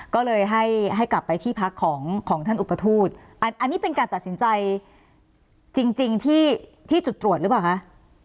ก็เลยให้ให้กลับไปที่พักของท่านอุปทูตอันนี้เป็นการตัดสินใจจริงที่จุดตรวจหรือเปล่าคะ